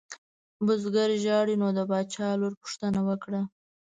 بزګر ژاړي نو د باچا لور پوښتنه وکړه.